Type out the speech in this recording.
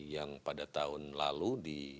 yang pada tahun lalu di